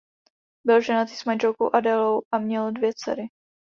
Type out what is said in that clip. Byl ženatý s manželkou Adélou a měl dvě dcery.